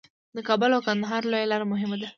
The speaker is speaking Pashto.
د کابل او کندهار لویه لار مهمه ده